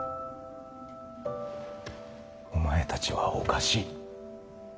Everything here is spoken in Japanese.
お前たちはおかしい。